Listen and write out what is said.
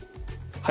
はい。